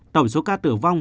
tổng số ca tử vong